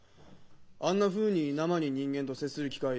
あんなふうに生に人間と接する機会